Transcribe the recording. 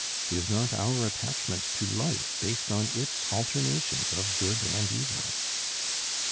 Is not our attachment to life based on its alternations of good and evil?